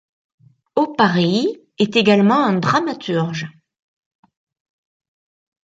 Oparei est également un dramaturge.